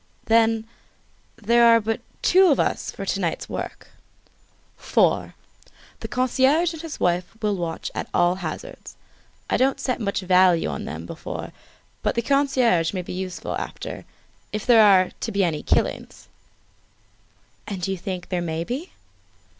"Then there are but two of us for to night's work?" "Four; the concierge and his wife will watch at all hazards. I don't set much value on them before but the concierge may be useful after if there's to be any killing!" "Then you think there may be?"